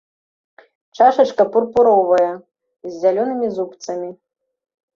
Чашачка пурпуровая з зялёнымі зубцамі.